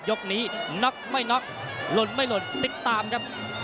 ยกนี้น็อกไม่น็อกหล่นไม่หล่นติดตามครับ